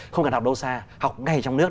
không cần học đâu xa học ngay trong nước